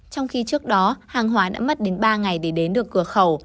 trong khi trước đó hàng hóa đã mất đến ba ngày để đến được cửa khẩu